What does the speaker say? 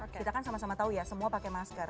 kita kan sama sama tahu ya semua pakai masker